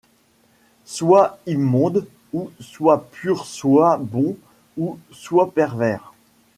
Sois immonde ou sois pur sois bon ou sois pervers ;